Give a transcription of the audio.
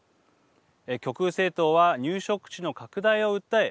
極右政党は入植地の拡大を訴え